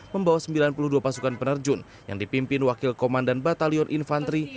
membawa sembilan puluh dua pasukan penerjun yang dipimpin wakil komandan batalion infanteri